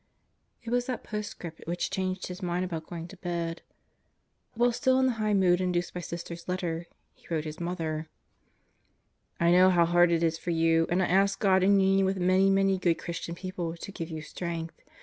... It was that postscript which changed his mind about going to bed. While still in the high mood induced by Sister's letter, he wrote his mother: I know how hard it is for you, and I ask God in union with many, many good Christian people, to give you strength.